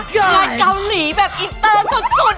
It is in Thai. งานเกาหลีแบบอินเตอร์สุด